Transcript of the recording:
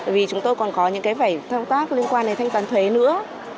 vì chúng tôi còn có những cái vải thông tác liên quan đến thanh toán thuế nữa